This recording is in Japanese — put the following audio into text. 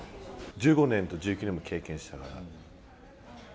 １５年と１９年も経験したから。